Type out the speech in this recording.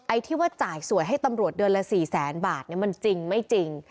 ที่ว่าจ่ายสวยให้ตำรวจเดือนละ๔แสนบาทมันจริงไม่จริง